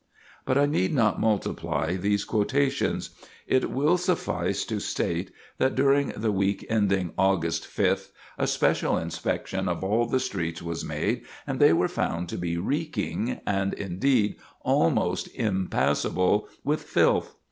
But I need not multiply these quotations. It will suffice to state that during the week ending August 5th, a special inspection of all the streets was made and they were found to be reeking, and, indeed, almost impassable, with filth.